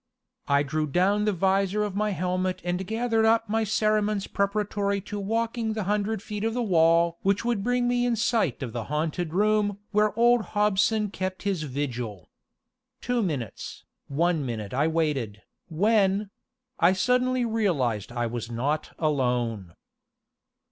I drew down the vizor of my helmet and gathered up my cerements preparatory to walking the hundred feet of wall which would bring me in sight of the haunted room where old Hobson kept his vigil. Two minutes, one minute I waited, when I suddenly realized I was not alone.